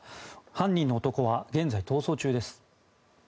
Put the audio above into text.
犯人の男は現在、逃走中です。